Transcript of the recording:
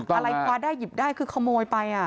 อะไรพอได้หยิบได้คือขโมยไปอะ